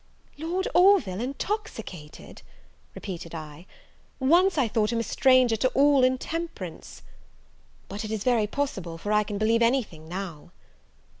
"Lord Orville intoxicated!" repeated I: "once I thought him a stranger to all intemperance; but it is very possible, for I can believe any thing now."